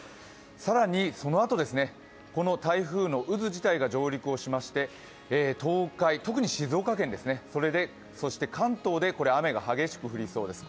更に、そのあと、この台風の渦自体が上陸をしまして東海、特に静岡県、そして関東で雨が激しく降りそうです。